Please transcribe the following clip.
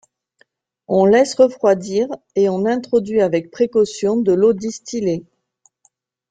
On laisse refroidir et on introduit avec précaution de l'eau distillée.